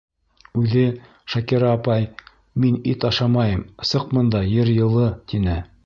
Үҙе, Шакира апай, мин ит ашамайым, сыҡ, бында ер йылы, тине.